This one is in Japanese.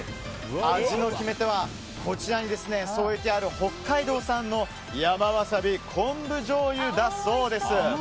味の決め手はこちらに添えてある、北海道産の山ワサビ昆布じょうゆだそうです。